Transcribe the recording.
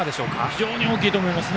非常に大きいと思います。